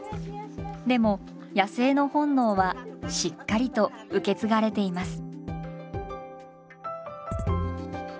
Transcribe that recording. でも野生の本能はしっかりと受け継がれています。